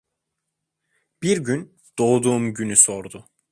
Bir gün doğduğum günü sordu.